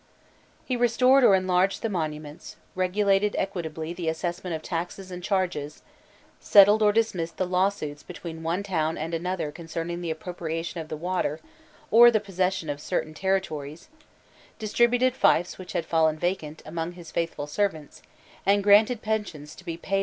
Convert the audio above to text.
He restored or enlarged the monuments, regulated equitably the assessment of taxes and charges, settled or dismissed the lawsuits between one town and another concerning the appropriation of the water, or the possession of certain territories, distributed fiefs which had fallen vacant, among his faithful servants, and granted pensions to be paid out of the royal revenues.